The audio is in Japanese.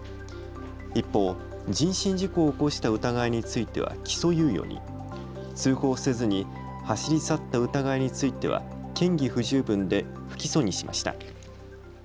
一方、人身事故を起こした疑いについては起訴猶予に、通報せずに走り去った疑いについては嫌疑不十分で不起訴にしました。